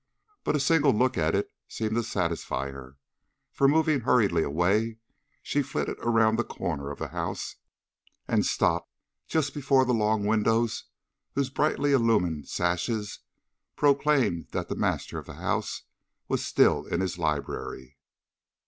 But a single look at it seemed to satisfy her, for, moving hurriedly away, she flitted around the corner of the house and stopped just before the long windows whose brightly illumined sashes proclaimed that the master of the house was still in his library.